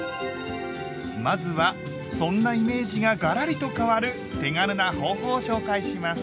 まずはそんなイメージがガラリと変わる手軽な方法を紹介します。